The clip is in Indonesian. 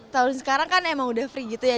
tahun sekarang kan emang udah free gitu ya